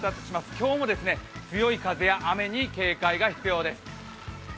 今日も強い風や雨に警戒が必要です。